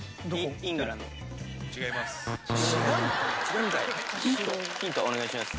違います。